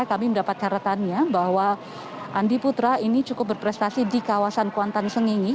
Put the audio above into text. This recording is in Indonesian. kami mendapat karetannya bahwa andi putra ini cukup berprestasi di kawasan kuantan sengingi